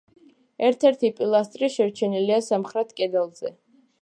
ერთ-ერთი პილასტრი შერჩენილია სამხრეთ კედელზე.